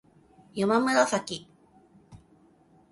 やまむらさき